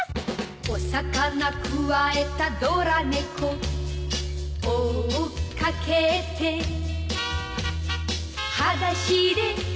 「お魚くわえたドラ猫」「追っかけて」「はだしでかけてく」